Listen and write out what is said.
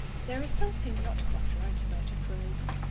There is something not quite right about a crow.